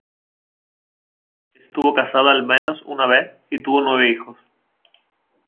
Loret estuvo casado al menos una vez y tuvo nueve hijos.